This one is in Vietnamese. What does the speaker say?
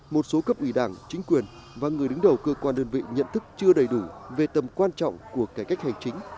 một số cấp ủy đảng chính quyền và người đứng đầu cơ quan đơn vị nhận thức chưa đầy đủ về tầm quan trọng của cải cách hành chính